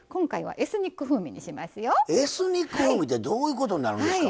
エスニック風味ってどういうことになるんですか？